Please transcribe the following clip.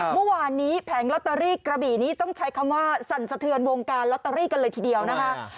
เมื่อวานนี้แผงลอตเตอรี่กระบี่นี้ต้องใช้คำว่าสั่นสะเทือนวงการลอตเตอรี่กันเลยทีเดียวนะคะ